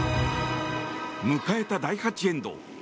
迎えた第８エンド。